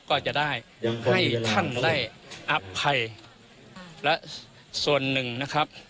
ก็จะได้ให้ท่านได้อภัยและส่วนหนึ่งนะครับ